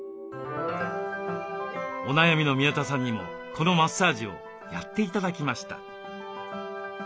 お悩みの宮田さんにもこのマッサージをやって頂きました。